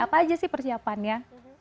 apa aja sih persiapannya